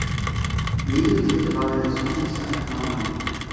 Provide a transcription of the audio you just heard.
Jede dritte Variation ist ein Kanon.